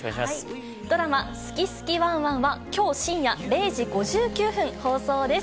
ドラマ、すきすきワンワン！はきょう深夜０時５９分放送です。